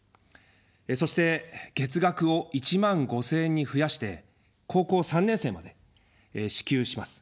そして、月額を１万５０００円に増やして高校３年生まで支給します。